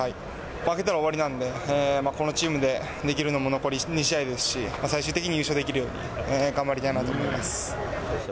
負けたら終わりなんで、このチームでできるのも残り２試合ですし、最終的に優勝できるように頑張りたいなと思います。